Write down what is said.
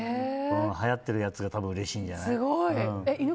はやってるやつが多分うれしいんじゃない。